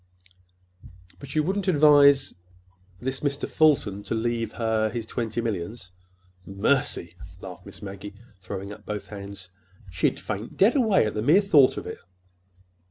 "But you wouldn't—er—advise this Mr. Fulton to leave her—his twenty millions?" "Mercy!" laughed Miss Maggie, throwing up both hands. "She'd faint dead away at the mere thought of it."